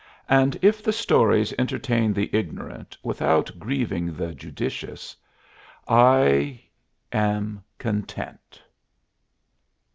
And if the stories entertain the ignorant without grieving the judicious I am content.